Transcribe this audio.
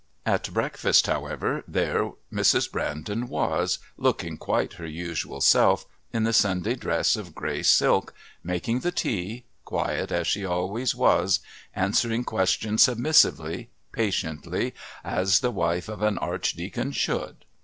At breakfast, however, there Mrs. Brandon was, looking quite her usual self, in the Sunday dress of grey silk, making the tea, quiet as she always was, answering questions submissively, patiently, "as the wife of an Archdeacon should."